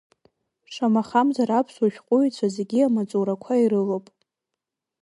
Шамахамзар, аԥсуа шәҟәыҩҩцәа зегьы амаҵурақәа ирылоуп.